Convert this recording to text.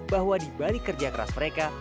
bahwa di balik kerja keras mereka